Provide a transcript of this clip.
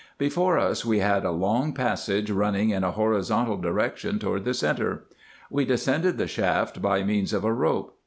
Before us we had a long passage running in a horizontal direction toward the centre. We descended the shaft by means of a rope.